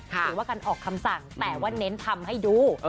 หรือว่าการออกคำสั่งแต่ว่าเน้นทำให้ดู